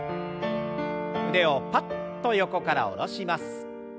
腕をパッと横から下ろします。